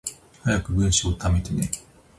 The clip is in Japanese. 早く文章溜めてね